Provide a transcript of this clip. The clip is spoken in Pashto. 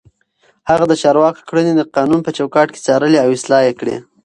هغه د چارواکو کړنې د قانون په چوکاټ کې څارلې او اصلاح يې کړې.